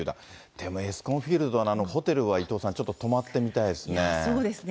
でも、エスコンフィールドのあのホテルは伊藤さん、ちょっと泊まってみそうですね。